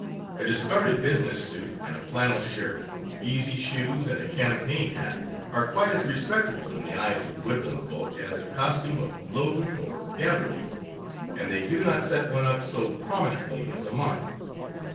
A discarded business suit and a flannel shirt, easy shoes and a campaign hat, are quite as respectable in the eyes of woodland folk as a costume of loden or gabardine, and they do not set one up so prominently as a mark.